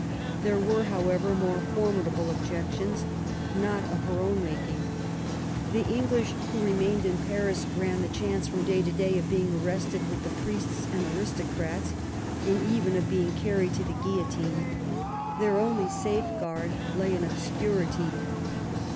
'' There were, however, more formidable objections, not of her own 124 MAEY W0LL8T0NECBAFT GODWIN. making. The English who remained in Paris ran the chance from day to day of being arrested with the priests and aristocrats^ and even of being carried to the guillotine. Their only safeguard lay in obscurity.